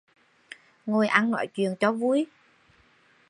Ngồi ăn nói chuyện cho vui